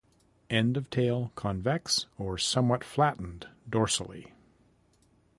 End of tail convex or somewhat flattened dorsally.